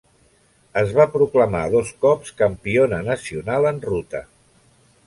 Es va proclamar dos cops campiona nacional en ruta.